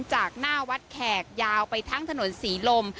จากหน้าวัดแขกยาวไปทั้งถนนศรีลม